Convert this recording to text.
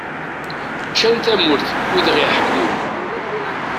Ččan tamurt wid iɣ-iḥekmen.